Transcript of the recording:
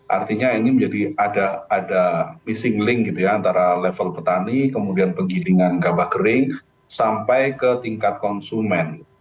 artinya ini menjadi ada missing link gitu ya antara level petani kemudian penggilingan gabah kering sampai ke tingkat konsumen